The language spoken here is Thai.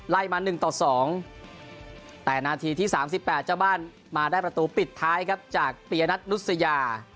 มา๑ต่อ๒แต่นาทีที่๓๘เจ้าบ้านมาได้ประตูปิดท้ายครับจากปียนัทนุษยา